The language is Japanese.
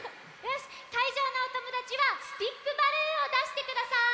よしかいじょうのおともだちはスティックバルーンをだしてください！